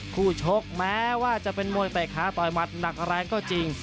ชกแม้ว่าจะเป็นมวยเตะขาต่อยหมัดหนักแรงก็จริง